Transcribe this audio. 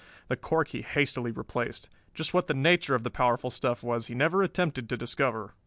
The cork he hastily replaced. Just what the nature of the powerful stuff was he never attempted to discover.